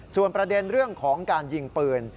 ส่วนประเด็นเรื่องของการยิงปืน